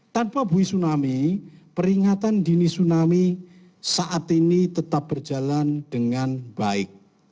tanpa bui tsunami peringatan dini tsunami saat ini tetap berjalan dengan baik